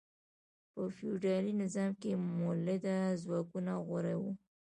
په فیوډالي نظام کې مؤلده ځواکونه غوره وو.